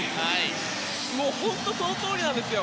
本当にそのとおりなんですよ。